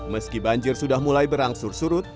meski banjir sudah mulai berangsur surut